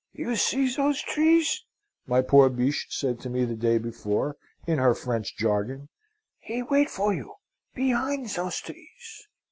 "'You see those trees?' my poor Biche said to me the day before, in her French jargon. 'He wait for you behind those trees.'